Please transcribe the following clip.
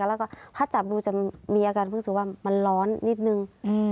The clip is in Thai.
แล้วก็ถ้าจับดูจะมีอาการเพิ่งรู้สึกว่ามันร้อนนิดนึง